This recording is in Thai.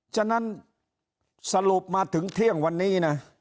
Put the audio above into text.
ฉะนั้นสรุปมาถึงเที่ยงวันนี้นะ